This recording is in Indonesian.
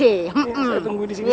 saya tunggu di sini